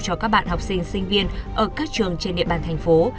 cho các bạn học sinh sinh viên ở các trường trên địa bàn thành phố